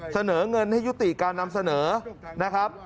เสนอเงินให้ยุติการนำเสนอนะครับ